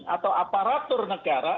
atau aparatur negara